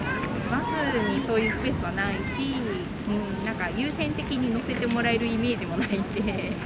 バスにそういうスペースはないし、優先的に乗せてもらえるイメージもないので。